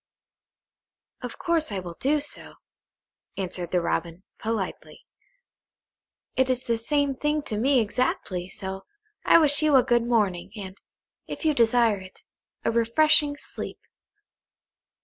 "Of course I will do so," answered the Robin, politely. "It is the same thing to me exactly, so I wish you a good morning, and, if you desire it, a refreshing sleep."